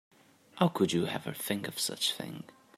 How could you ever think of such a thing?